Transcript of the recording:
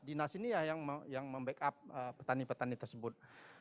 dinas ini ya yang membackup petani petani tersebut